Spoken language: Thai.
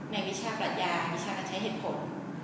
ในวิชาปรัชยาและวิชากัใช้เหตุผล